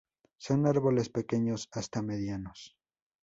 Son árboles pequeños hasta medianos.